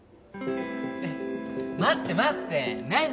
えっ待って待って何？